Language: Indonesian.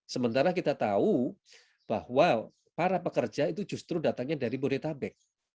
sementara kita tahu bahwa para pekerja itu justru datangnya dari bodetabek